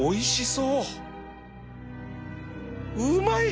うまい！